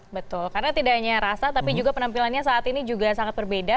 betul karena tidak hanya rasa tapi juga penampilannya saat ini juga sangat berbeda